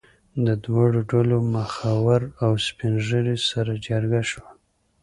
د دواړو ډلو مخور او سپین ږیري سره جرګه شول.